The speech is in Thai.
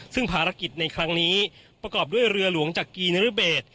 ซึ่งภารกิจในครั้งนี้ประกอบด้วยเรือหลวงจักรีนรเบศ